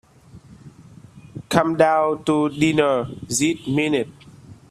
Come down to dinner this minute.